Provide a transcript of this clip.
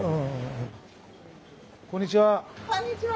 こんにちは。